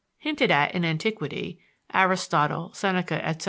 Hinted at in antiquity (Aristotle, Seneca, etc.)